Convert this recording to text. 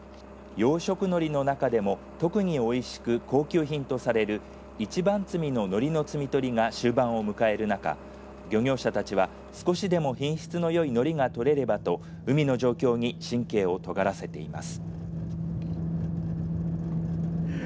養殖のりの中でも特においしく高級品とされる一番摘みののりの摘み取りが終盤を迎える中、漁業者たちは少しでも品質のよいのりがとれればと海の状況に神経をとがらせています。